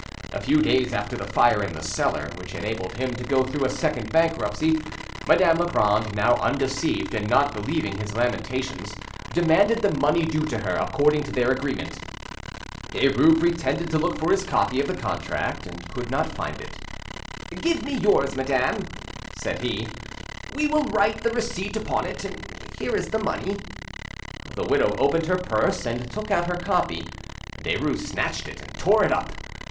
A few days after the fire in the cellar, which enabled him to go through a second bankruptcy, Madame Legrand, now undeceived and not believing his lamentations, demanded the money due to her, according to their agreement. Derues pretended to look for his copy of the contract, and could not find it. "Give me yours, madame," said he; "we will write the receipt upon it. Here is the money." The widow opened her purse and took out her copy; Derues snatched it, and tore it up.